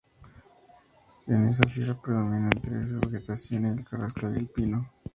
En esta sierra predomina entre su vegetación el carrascal y el pino.